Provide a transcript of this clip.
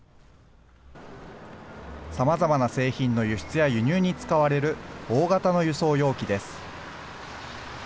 さまざまな製品の輸出や輸入に使われる大型の輸送容器です。